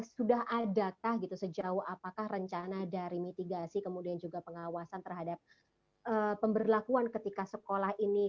sudah adakah gitu sejauh apakah rencana dari mitigasi kemudian juga pengawasan terhadap pemberlakuan ketika sekolah ini